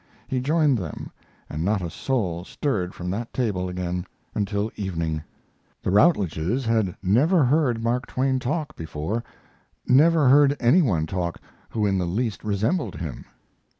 He joined them, and not a soul stirred from that table again until evening. The Routledges had never heard Mark Twain talk before, never heard any one talk who in the least resembled him.